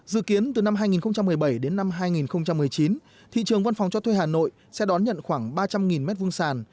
dự kiến từ năm hai nghìn một mươi bảy đến năm hai nghìn một mươi chín thị trường văn phòng cho thuê hà nội sẽ đón nhận khoảng ba trăm linh m hai sàn